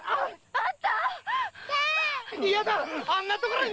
あんた！